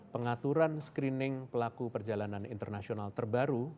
pengaturan screening pelaku perjalanan internasional terbaru